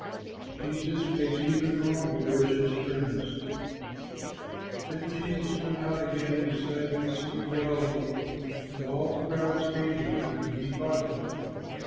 JESUS MAKES EVEN WRONG DOERS HIS FRIENDS Then Jesus went out again beside the Sea of Galilee; and all the crowd came to him, and he taught them.